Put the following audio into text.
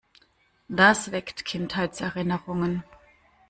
Das weckt Kinderheitserinnerungen.